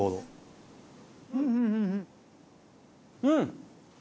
うん！